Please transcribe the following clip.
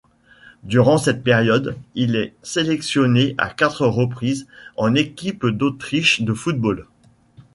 Durant cette période, il est sélectionné à quatre reprises en équipe d'Autriche de football.